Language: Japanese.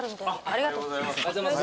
ありがとうございます。